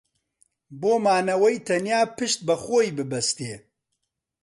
بۆ مانەوەی تەنیا پشت بە خۆی ببەستێ